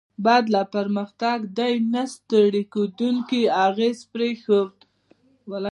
بعد له پرمختګ، دوی نه ستړي کیدونکی اغېز پرېښود.